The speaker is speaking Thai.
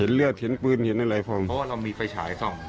เลือดเห็นปืนเห็นอะไรเพราะว่าเรามีไฟฉายส่อง